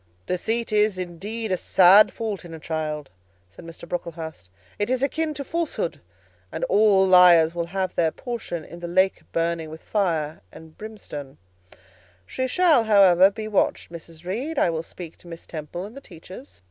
"Deceit is, indeed, a sad fault in a child," said Mr. Brocklehurst; "it is akin to falsehood, and all liars will have their portion in the lake burning with fire and brimstone; she shall, however, be watched, Mrs. Reed. I will speak to Miss Temple and the teachers."